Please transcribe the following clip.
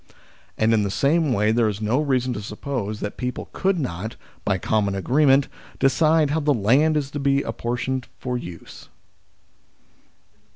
And in the same way there is no reason to suppose that people could not, by common agree ment, decide how the land is to be apportioned for use.